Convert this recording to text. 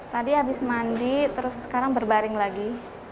tadi habis mandi terus sekarang berbaring lagi